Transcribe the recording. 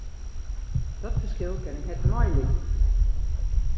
Dat ferskil kin ik net mei libje.